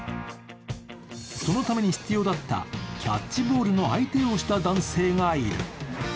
そのために必要だったキャッチボールの相手をした男性かいる。